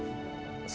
maafin ibu put